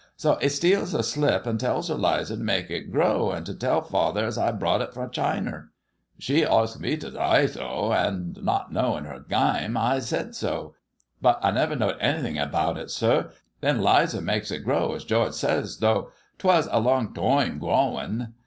So 'e steals a slip an' tells 'Lizer to mek it grow, an' to tell father es I browght it fro' Chiner. She arsked mo t' soy so, an' not knowin' 'er gaime I sid so. But I never knowed anythin' about it, sir. Then 'Lizer meks it grow es George ses, tho' 'twas a long toime growin'.